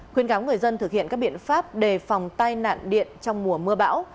khuyên cáo người dân thực hiện các biện pháp đề phòng tai nạn điện trong mùa mưa bão